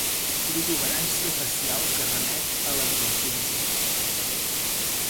Protuberància facial que remet a l'adolescència.